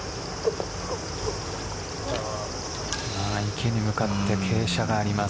池に向かって傾斜があります。